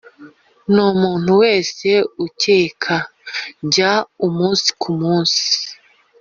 numuntu wese ukeka, njya umunsi kumunsi.